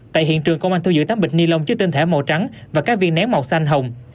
tại hiện trường công an thu giữ tám bịch ni lông chứa tinh thể màu trắng và các viên nén màu xanh hồng